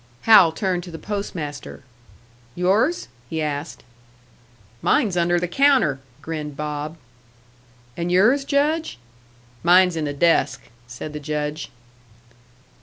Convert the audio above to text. Hal turned to the Post master. "Yours?" he asked. "Mine's under the counter," grinned Bob. "And yours, Judge?" "Mine's in the desk," said the Judge.